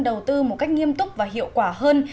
đầu tư một cách nghiêm túc và hiệu quả hơn